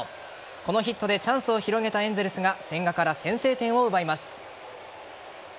このヒットでチャンスを広げたエンゼルスが千賀から先制点を奪います。